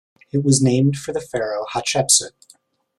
It was named for pharaoh Hatshepsut.